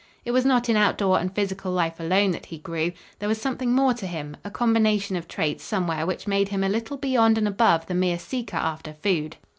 It was not in outdoor and physical life alone that he grew. There was something more to him, a combination of traits somewhere which made him a little beyond and above the mere seeker after food.